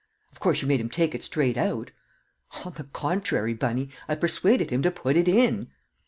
"Of course you made him take it straight out?" "On the contrary, Bunny, I persuaded him to put it in!"